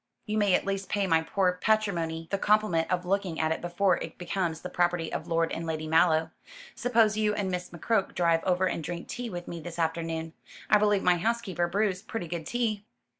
"You may at least pay my poor patrimony the compliment of looking at it before it becomes the property of Lord and Lady Mallow. Suppose you and Miss McCroke drive over and drink tea with me this afternoon? I believe my housekeeper brews pretty good tea."